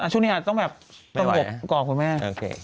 ช่วงนี้อาจต้องแบบสงบก่อคุณแม่